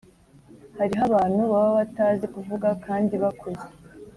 Hariho abantu baba batazi kuvuga kandi bakuze